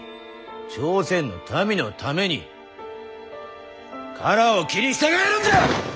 朝鮮の民のために唐を斬り従えるんじゃ！